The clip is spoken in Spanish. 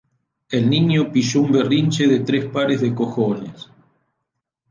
El niño pilló un berrinche de tres pares de cojones